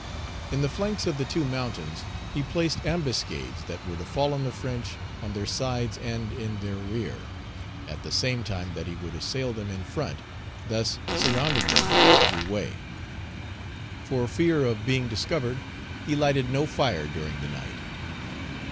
In the flanks of the two mountains he placed ambuscades that were to fall on the French on their sides and in their rear, at the same time that he would assail them in front, thus surrounding them every way. For fear of being discovered, he lighted no fire during the night.